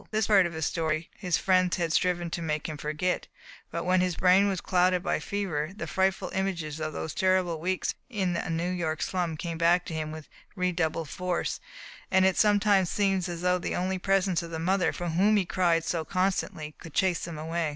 This part of his story his friends had striven to make him forget, but when his brain was clouded by fever, the frightful images of those terrible weeks in a New York slum came back to him with redoubled force, and it sometiipes seemed as though only the presence of the mother for whom he cried so constantly could chase them away.